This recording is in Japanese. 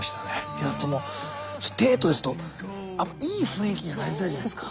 いやでもデートですとあんまいい雰囲気にはなりづらいじゃないですか。